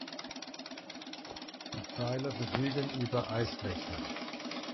Die Pfeiler verfügen über Eisbrecher.